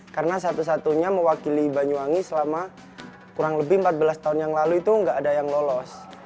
karena satu satunya mewakili banyuwangi selama kurang lebih empat belas tahun yang lalu itu nggak ada yang lolos